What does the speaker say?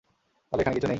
তাহলে এখানে কিছু নেই?